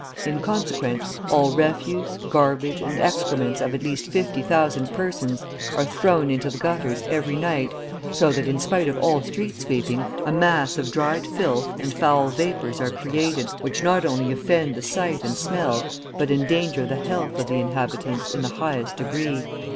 In consequence, all refuse, garbage, and excrements of at least 50,000 persons are thrown into the gutters every night, so that, in spite of all street sweeping, a mass of dried filth and foul vapours are created, which not only offend the sight and smell, but endanger the health of the inhabitants in the highest degree.